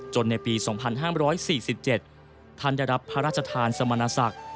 ในปี๒๕๔๗ท่านได้รับพระราชทานสมณศักดิ์